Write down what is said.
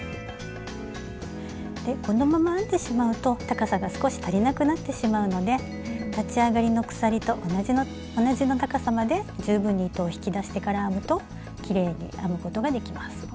このまま編んでしまうと高さが少し足りなくなってしまうので立ち上がりの鎖と同じ高さまで十分に糸を引き出してから編むときれいに編むことができます。